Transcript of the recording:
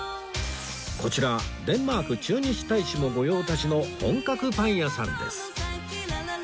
こちらデンマーク駐日大使も御用達の本格パン屋さんです